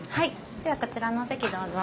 ではこちらのお席どうぞ。